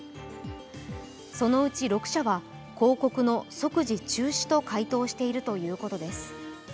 そのうち６社は、広告の即時中止と回答しているということです。